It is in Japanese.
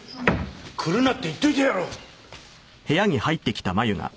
来るなって言っておいたやろ！